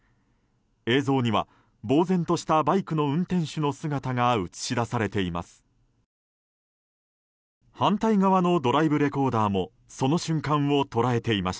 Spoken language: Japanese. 映像には、ぼうぜんとしたバイクの運転手の姿が映し出されています。